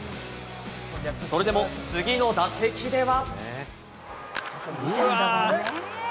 それでも次の打席では。